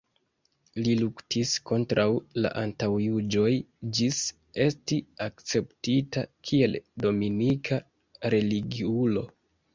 Li luktis kontraŭ la antaŭjuĝoj ĝis esti akceptita kiel dominika religiulo.